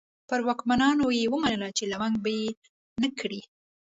پر واکمنانو یې ومنله چې لونګ به نه کري.